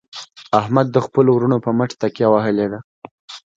احمد د خپلو ورڼو په مټ تکیه وهلې ده.